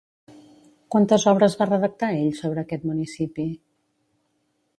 Quantes obres va redactar ell sobre aquest municipi?